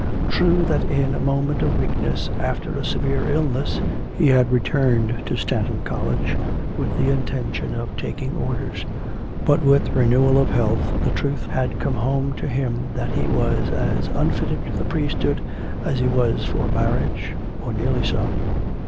True that in a moment of weakness, after a severe illness, he had returned to Stanton College with the intention of taking orders; but with renewal of health the truth had come home to him that he was as unfitted to the priesthood as he was for marriage, or nearly so.